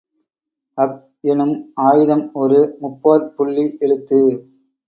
ஃ எனும் ஆய்தம் ஒரு முப்பாற்புள்ளி எழுத்து